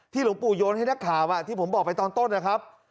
หลวงปู่โยนให้นักข่าวที่ผมบอกไปตอนต้นนะครับ